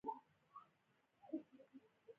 پوخ علم خیر خپروي